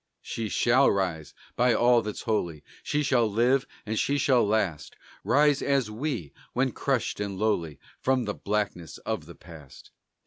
She shall rise, by all that's holy! She shall live and she shall last; Rise as we, when crushed and lowly, From the blackness of the past.